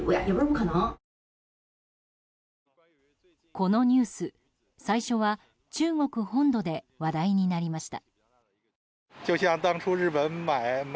このニュース、最初は中国本土で話題になりました。